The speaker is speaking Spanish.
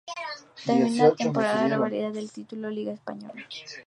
Termina la temporada revalidando el título de Liga de España.